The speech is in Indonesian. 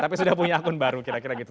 tapi sudah punya akun baru kira kira gitu